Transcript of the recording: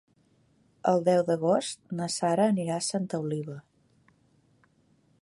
El deu d'agost na Sara anirà a Santa Oliva.